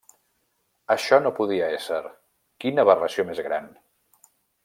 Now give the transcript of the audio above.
Això no podia ésser! ¡Quina aberració més gran!